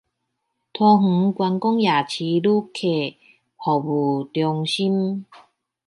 桃園觀光夜市旅客服務中心